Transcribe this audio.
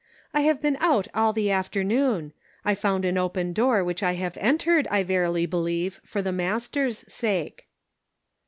" I have been out all the afternoon. I found an open door which I have entered, I verily believe, for the Master's sake."